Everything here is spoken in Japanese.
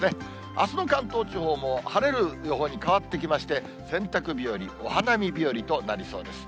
あすの関東地方も晴れる予報に変わってきまして、洗濯日和、お花見日和となりそうです。